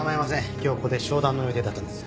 今日ここで商談の予定だったんです。